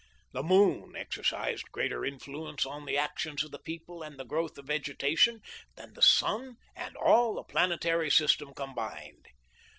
The moon exercised greater influence on the actions of the people and the growth of vegetation than the sun and all the planetary sys tem combined.